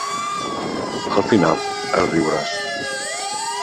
Al final el riuràs.